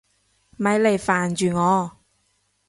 咪嚟煩住我！